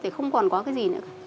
thì không còn có cái gì nữa